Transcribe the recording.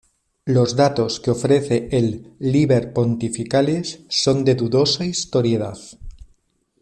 Los datos que ofrece el "Liber Pontificalis" son de dudosa historicidad.